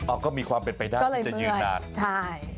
อ้าวก็มีความเป็นไปได้จะยืนนานใช่ก็เลยเมื่อย